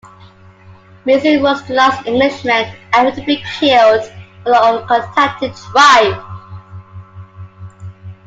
Mason was the last Englishman ever to be killed by an uncontacted tribe.